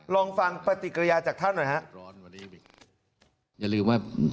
ลองฟังปฏิกิริยาจากท่านหน่อยฮะ